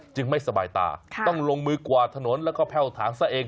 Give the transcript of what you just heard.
ไม่สบายตาต้องลงมือกวาดถนนแล้วก็แพ่วถางซะเอง